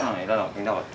いなかった。